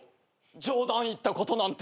冗談言ったことなんて。